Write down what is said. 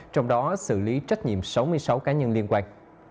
trong đó xử lý trách nhiệm sáu mươi sáu cá nhân liên quan